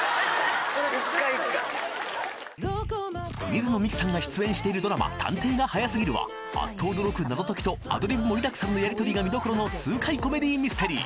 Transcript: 水野美紀さんが出演しているドラマ『探偵が早すぎる』はあっと驚く謎解きとアドリブ盛りだくさんのやり取りが見どころの痛快コメディミステリー！